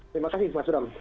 terima kasih mas ram